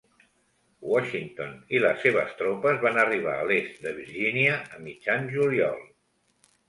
Washington i les seves tropes van arribar a l'est de Virgínia a mitjan juliol.